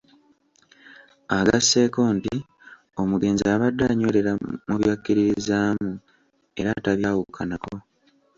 Agasseeko nti omugenzi abadde anywerera mu byakkiririzaamu era tabyawukanako.